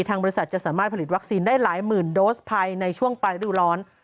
บริษัทจะสามารถผลิตวัคซีนได้หลายหมื่นโดสภายในช่วงปลายฤดูร้อน